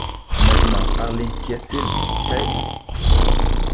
Maintenant, parlez, qu’y a-t-il? qu’est-ce ?